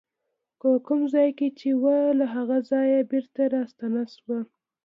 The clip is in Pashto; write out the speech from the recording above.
په کوم ځای کې چې وه له هغه ځایه بېرته راستنه شوه.